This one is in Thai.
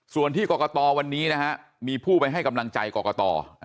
ส่วนที่กรกตวันนี้นะฮะมีผู้ไปให้กำลังใจกรกต